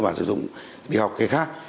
và sử dụng đi học cái khác